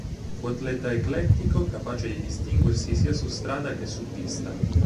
Fu atleta eclettico, capace di distinguersi sia su strada che su pista.